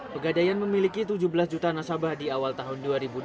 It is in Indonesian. pegadaian memiliki tujuh belas juta nasabah di awal tahun dua ribu dua puluh